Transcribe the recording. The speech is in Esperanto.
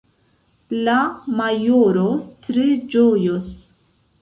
La majoro tre ĝojos.